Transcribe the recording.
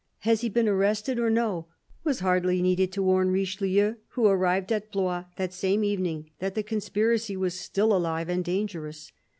Has he been arrested or no ?"— was hardly needed to warn Richelieu, who arrived at Blois that same evening, that the conspiracy was still alive and dangerous.